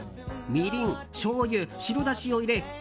みりん、しょうゆ、白だしを入れ